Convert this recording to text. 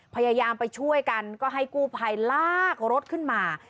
พยายามไปช่วยกันก็ให้กู้ภัยลากรถขึ้นมา